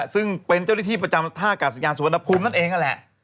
ซึ่งเป็นเจ้าหน้าที่ประจำท่ากาศยานสุวรรณภูมินั่นเองนั่นแหละ